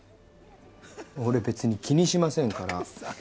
俺別に気にしませんから。